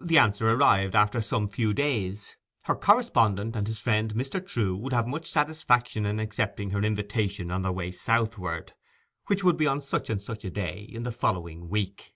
The answer arrived after some few days. Her correspondent and his friend Trewe would have much satisfaction in accepting her invitation on their way southward, which would be on such and such a day in the following week.